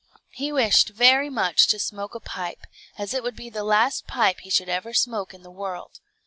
He wished very much to smoke a pipe, as it would be the last pipe he should ever smoke in the world.